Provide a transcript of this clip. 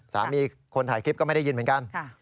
คนถ่ายคลิปก็ไม่ได้ยินเหมือนกัน